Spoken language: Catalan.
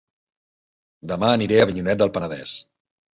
Dema aniré a Avinyonet del Penedès